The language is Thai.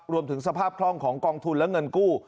รวมถึงสภาพคล่องของกองทุนและเงินกู้